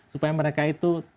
supaya mereka itu